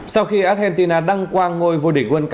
sau khi argentina đánh giá truyền thống mỹ đã đánh giá truyền thống